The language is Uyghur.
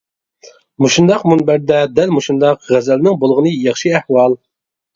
مۇشۇنداق مۇنبەردە دەل مۇشۇنداق غەزەلنىڭ بولغىنى ياخشى ئەھۋال.